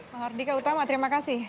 mardika utama terima kasih